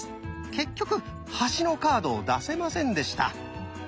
結局端のカードを出せませんでした。